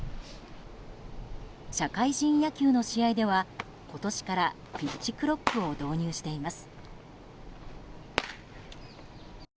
社会人野球の試合では今年からピッチクロックを導入しています。